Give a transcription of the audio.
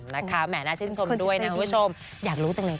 นะคะแหม่น่าชินชมด้วยนะว่าชมอยากรู้จังเลยกัน